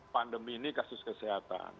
pandemi ini kasus kesehatan